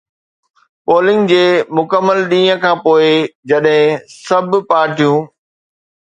polling جي مڪمل ڏينهن کان پوء، جڏهن سڀ پارٽيون